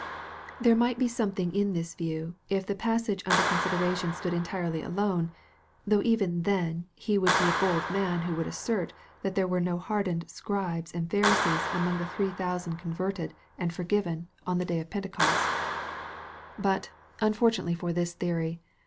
There might be something in this view, if the passage under con sideration stood entirely alone though even then he would be a bold man whc would assert that there were no hardened Scribes and Pharisees among tlie three thousand converted and forgiven on tha 3* 58 EXPOSITORY THOUGHTS. MARK III.